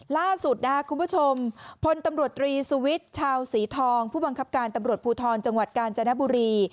ล่าสุดนะครับคุณผู้ชมพลตำรวจตรีสุวิทย์ชาวศรีทองผู้บังคับการตำรวจภูทรจังหวัดกาญจนบุรี